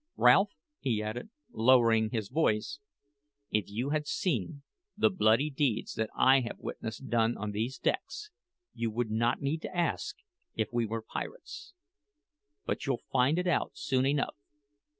Ralph," he added, lowering his voice, "if you had seen the bloody deeds that I have witnessed done on these decks, you would not need to ask if we were pirates. But you'll find it out soon enough.